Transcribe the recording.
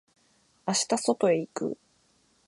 明日外へ行く。